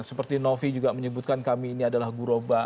seperti novi juga menyebutkan kami ini adalah guruba